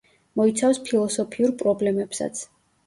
მოიცავს ფილოსოფიურ პრობლემებსაც.